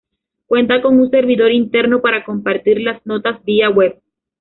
Cuenta con un servidor interno para compartir las notas vía web.